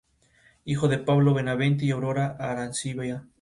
Hijo de Pablo Benavente y Aurora Arancibia.